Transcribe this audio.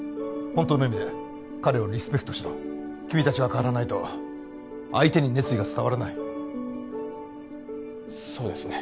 本当の意味で彼をリスペクトしろ君達が変わらないと相手に熱意が伝わらないそうですね